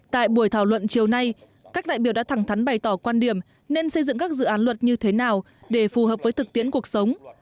tại buổi thảo luận chiều nay các đại biểu đã thẳng thắn bày tỏ quan điểm nên xây dựng các dự án luật như thế nào để phù hợp với thực tiễn cuộc sống